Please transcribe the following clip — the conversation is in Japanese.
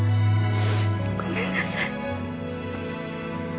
ごめんなさい。